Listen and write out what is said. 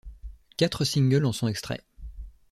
Quatre singles en sont extraits.